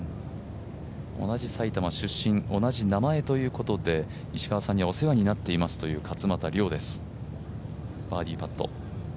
同じ埼玉出身、同じ名前ということで、石川さんにはお世話になっていますという勝俣陵です、バーディーパット。